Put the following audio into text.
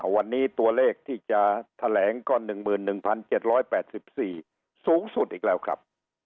วันนี้ตัวเลขที่จะแถลงก็๑๑๗๘๔สูงสุดอีกแล้วครับ